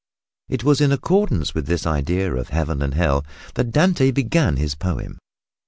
It was in accordance with this idea of Heaven and Hell that Dante began his poem.